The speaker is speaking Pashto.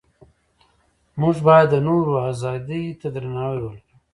موږ باید د نورو ازادۍ ته درناوی ولرو.